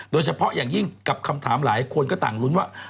โดยเฉพาะอย่างยิ่งกับคำถามหลายคนก็ต่างลุ้นว่า